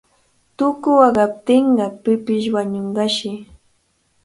Tuku waqaptinqa pipish wañunqashi.